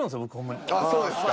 そうですか。